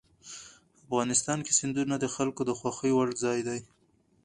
افغانستان کې سیندونه د خلکو د خوښې وړ ځای دی.